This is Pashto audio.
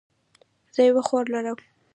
زه یوه خور لرم